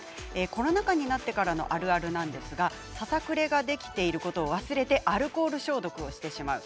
コロナ禍になってからのあるあるなんですが、ささくれができていることを忘れてアルコール消毒をしてしまう。